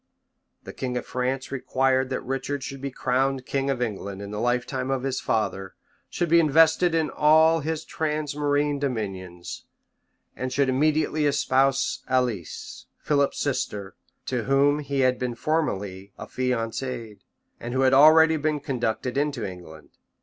The king of France required that Richard should be crowned king of England in the lifetime of his father, should be invested in all his transmarine dominions, and should immediately espouse Alice, Philip's sister, to whom he had been formerly affianced, and who had already been conducted into England.